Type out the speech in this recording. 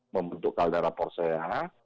membentuk kaldera porsea